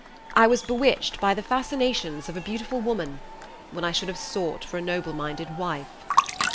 I was bewitched by the fascinations of a beautiful woman, when I should have sought for a noble minded wife."